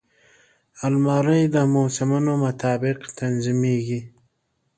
الماري د موسمونو مطابق تنظیمېږي